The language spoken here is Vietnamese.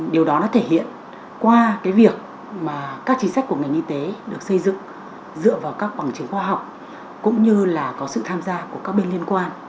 điều đó nó thể hiện qua cái việc mà các chính sách của ngành y tế được xây dựng dựa vào các bằng chứng khoa học cũng như là có sự tham gia của các bên liên quan